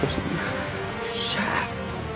・よっしゃー！